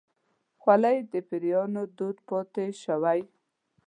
خولۍ د پيرانو دود پاتې شوی.